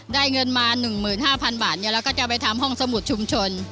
ได้เงินมาหนึ่งหมื่นห้าพันบาทเนี่ยเราก็จะไปทำห้องสมุทรชุมชน